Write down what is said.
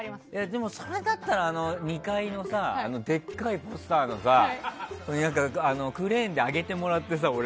でも、それなら２階のさでっかいポスターのところにクレーンで上げてもらってさ。